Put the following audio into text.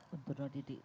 bapak berdoa didik